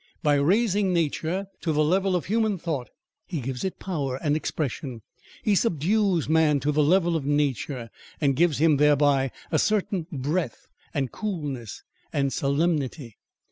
By raising nature to the level of human thought he gives it power and expression: he subdues man to the level of nature, and gives him thereby a certain breadth and coolness and solemnity.